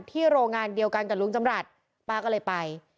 โรงงานเดียวกันกับลุงจำรัฐป้าก็เลยไป